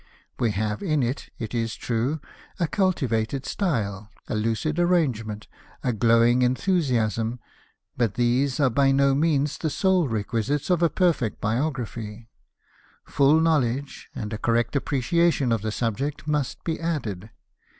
We have in it, it is true, a cultivated style, a lucid arrangement, a glowing en thusiasm ; but these are by no means the sole re quisites of a perfect biography; full knowledge and a correct appreciation of the subject must be added.